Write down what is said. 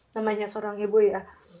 namanya seorang ibu ya